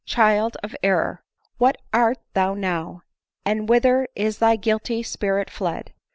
child of error ! what art thou now, and whith er is thy guilty spirit fled